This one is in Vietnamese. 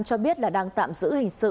cho biết là đang tạm giữ hình sự